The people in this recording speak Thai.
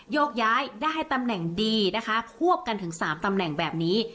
ยกย้ายได้ตำแหน่งดีนะคะควบกันถึง๓ตำแหน่งแบบนี้